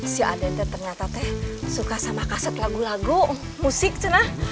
si aden ternyata teh suka sama kaset lagu lagu musik celah